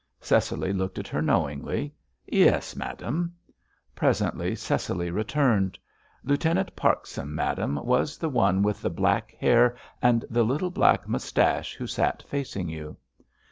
Cecily looked at her knowingly. "Yes, madame." Presently Cecily returned. "Lieutenant Parkson, madame, was the one with the black hair and the little black moustache who sat facing you."